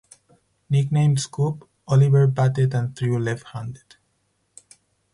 Nicknamed "Scoop", Oliver batted and threw left-handed.